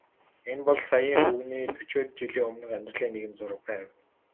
Энэ бол саяын өвгөний дөчөөд жилийн өмнөх амьдралын нэгэн зураг байв.